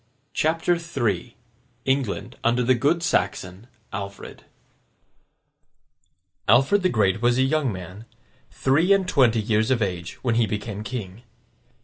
CHAPTER III ENGLAND UNDER THE GOOD SAXON, ALFRED Alfred the Great was a young man, three and twenty years of age, when he became king.